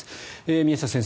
宮下先生